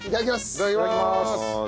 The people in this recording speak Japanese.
いただきます。